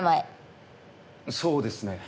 そうですね